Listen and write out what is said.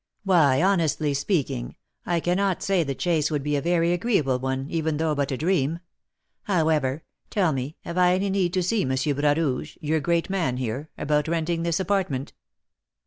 "Why, honestly speaking, I cannot say the chase would be a very agreeable one, even though but a dream. However, tell me, have I any need to see M. Bras Rouge your great man here about renting this apartment?"